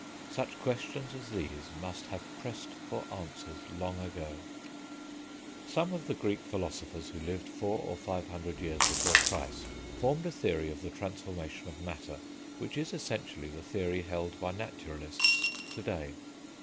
Such questions as these must have pressed for answers long ago. Some of the Greek philosophers who lived four or five hundred years before Christ formed a theory of the transformations of matter, which is essentially the theory held by naturalists to day.